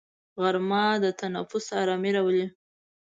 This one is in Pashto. غرمه د تنفس ارامي راولي